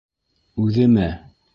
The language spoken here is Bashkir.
— Үҙеме?